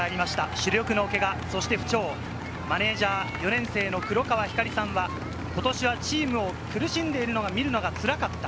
主力のけが、そして不調、マネジャー、４年生の黒川光さんはことしはチームを苦しんでいるのを見るのがつらかった。